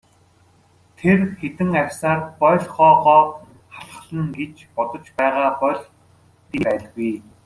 Тэр хэдэн арьсаар боольхойгоо халхална гэж бодож байгаа бол дэмий байлгүй.